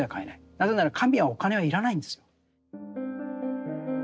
なぜなら神はお金は要らないんですよ。